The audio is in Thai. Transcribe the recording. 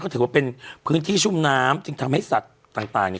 ถือว่าเป็นพื้นที่ชุ่มน้ำจึงทำให้สัตว์ต่างเนี่ย